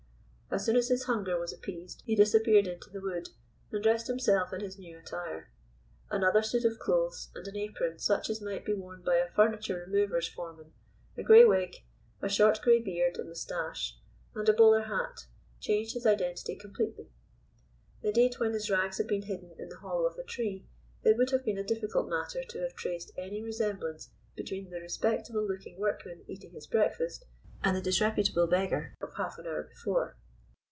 As soon as his hunger was appeased he disappeared into the wood, and dressed himself in his new attire. Another suit of clothes, and an apron such as might be worn by a furniture remover's foreman, a grey wig, a short grey beard and moustache, and a bowler hat, changed his identity completely; indeed, when his rags had been hidden in the hollow of a tree it would have been a difficult matter to have traced any resemblance between the respectable looking workman eating his breakfast and the disreputable beggar of half an hour before.